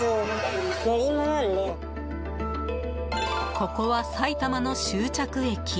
ここは埼玉の終着駅。